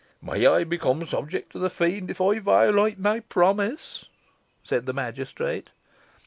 "'May I become subject to the Fiend if I violate my promise!'" said the magistrate.